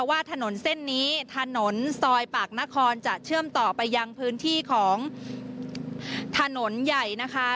ว่าถนนเส้นนี้ถนนซอยปากนครจะเชื่อมต่อไปยังพื้นที่ของถนนใหญ่นะคะ